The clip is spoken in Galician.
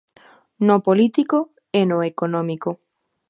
No político e no económico.